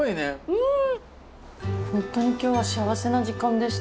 うん。